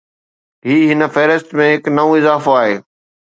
هي هن فهرست ۾ هڪ نئون اضافو آهي.